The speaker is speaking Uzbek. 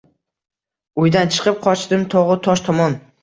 Uydan chiqib qochdim tog’u tosh tomon.